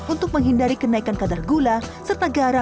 untuk menghindari kenaikan kadar gula serta garam